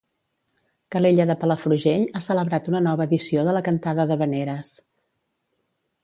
Calella de Palafrugell ha celebrat una nova edició de la Cantada d'havaneres.